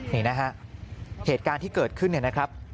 นี่นะฮะเหตุการณ์ที่เกิดขึ้นเนี่ยนะครับ